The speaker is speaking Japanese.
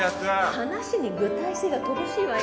話に具体性が乏しいわよ